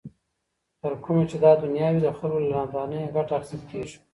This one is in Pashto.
تر کومه چي دا دنیا وي د خلګو له نادانۍ ګټه اخیستل کیږي.